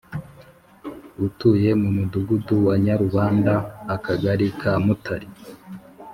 utuye mu Mudugudu wa Nyarubanda Akagali ka mutari